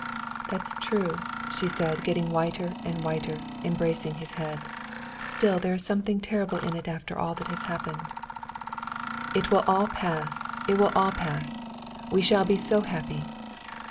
"That's true," she said, getting whiter and whiter, and embracing his head. "Still there is something terrible in it after all that has happened." "It will all pass, it will all pass; we shall be so happy.